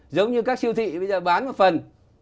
giống như các siêu thị bây giờ bán một phần